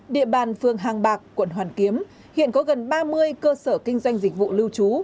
địa bàn phường hàng bạc quận hoàn kiếm hiện có gần ba mươi cơ sở kinh doanh dịch vụ lưu trú